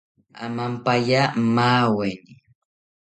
Amampaya maaweni